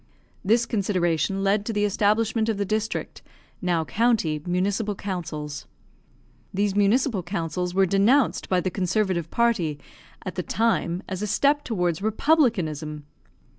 This consideration led to the establishment of the District (now County) Municipal Councils. These municipal councils were denounced by the conservative party at the time as a step towards republicanism!